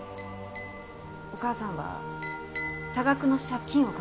お母さんは多額の借金を抱えていました。